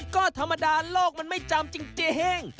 ก็ธรรมดาโลกมันไม่จำจริง